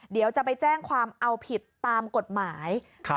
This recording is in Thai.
เดี๋ยวจะไปแจ้งความเอาผิดตามกฎหมาย